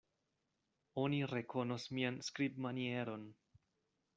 Oni rekonos mian skribmanieron.